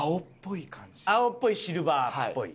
青っぽいシルバーっぽい？